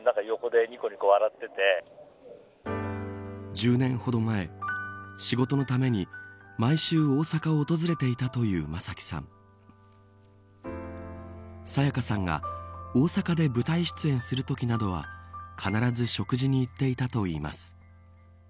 １０年ほど前仕事のために毎週大阪を訪れていたという正輝さん沙也加さんが大阪で舞台出演するときなどは必ず食事に行っていたといいます。